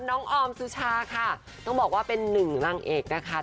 ออมสุชาค่ะต้องบอกว่าเป็นหนึ่งนางเอกนะคะ